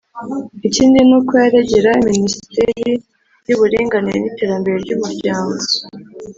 ikindi nuko yaregera minisiteri y’uburinganire n’iterambere ry’umuryango.